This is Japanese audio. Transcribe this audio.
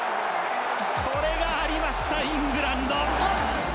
これがありました、イングランド。